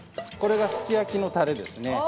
これがすき焼きのタレですね。